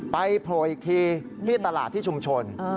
โผล่อีกทีที่ตลาดที่ชุมชน